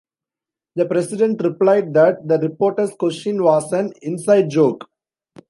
The President replied that the reporter's question was an inside joke.